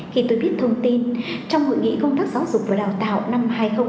khi tôi biết thông tin trong hội nghị công tác giáo dục và đào tạo năm hai nghìn một mươi tám